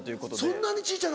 そんなに小ぃちゃな。